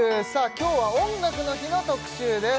今日は「音楽の日」の特集です